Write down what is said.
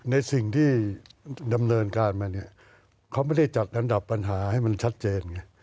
ในสิ่งที่ดำเนินการมาเนี่ยเขาไม่ได้จัดอันดับปัญหาให้มันชัดเจนไง